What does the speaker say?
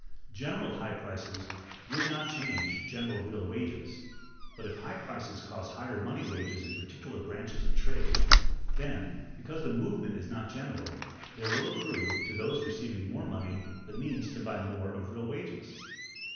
General high prices would not change general real wages. But if high prices cause higher money wages in particular branches of trade, then, because the movement is not general, there will accrue, to those receiving more money, the means to buy more of real wages.